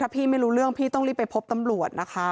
พี่ไม่รู้เรื่องพี่ต้องรีบไปพบตำรวจนะคะ